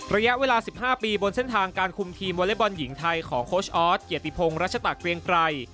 ระยะเวลา๑๕ปีบนเส้นทางการคุมทีมวอเล็กบอลหญิงไทยของโค้ชออสเกียรติพงศ์รัชตะเกรียงไกร